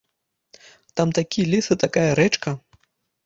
Там такі лес і такая рэчка!